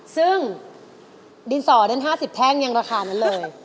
ซึ่งดินสอนั้น๕๐แท่งยังราคานั้นเลย